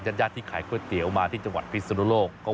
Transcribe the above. ญาติที่ขายก๋วยเตี๋ยวมาที่จังหวัดพิศนุโลก